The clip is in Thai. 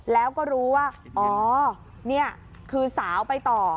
แล้วก็รู้ว่าอ๋อนี่คือสาวไปต่อ